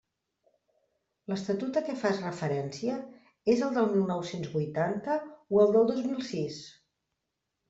L'Estatut a què fas referència és el de mil nou-cents vuitanta o el del dos mil sis?